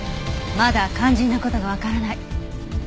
まだ肝心な事がわからない。